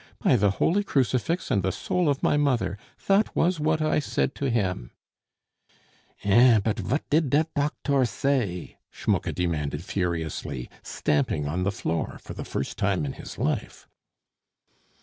By the holy crucifix and the soul of my mother, that was what I said to him " "Eh! but vat did der doctor say?" Schmucke demanded furiously, stamping on the floor for the first time in his life.